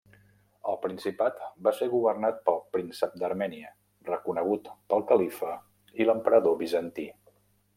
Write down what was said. El principat va ser governat pel príncep d'Armènia, reconegut pel Califa i l'emperador bizantí.